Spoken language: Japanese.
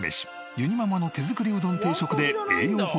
ゆにママの手作りうどん定食で栄養補給しましょう。